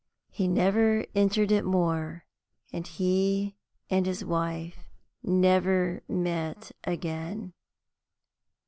He never entered it more, and he and his wife never met again.